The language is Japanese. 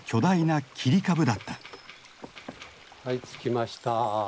はい着きました。